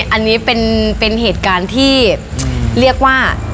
อันนี้เป็นเหตุการณ์ที่เรียกว่า